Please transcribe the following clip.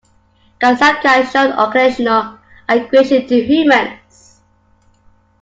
Kasatka showed occasional aggression to humans.